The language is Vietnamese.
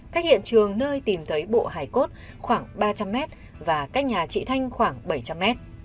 cách hiện trường nơi tìm thấy bộ hải cốt khoảng ba trăm linh m và cách nhà chị thanh khoảng bảy trăm linh m